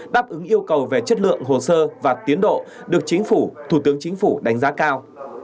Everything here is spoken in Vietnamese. đáp ứng yêu cầu về chất lượng hồ sơ và tiến độ được chính phủ thủ tướng chính phủ đánh giá cao